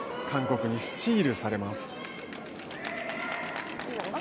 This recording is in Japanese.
韓国にスチールされます。